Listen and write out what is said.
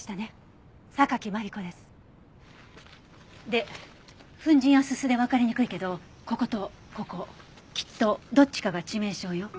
で粉塵や煤でわかりにくいけどこことここ。きっとどっちかが致命傷よ。